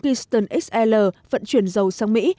keystone xl vận chuyển dầu sang mỹ